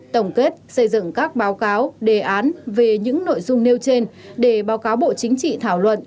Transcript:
tổng kết xây dựng các báo cáo đề án về những nội dung nêu trên để báo cáo bộ chính trị thảo luận